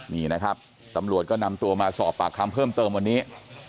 นี่นะครับตำรวจก็นำตัวมาสอบปากคำเพิ่มเติมวันนี้